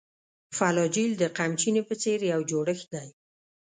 فلاجیل د قمچینې په څېر یو جوړښت دی.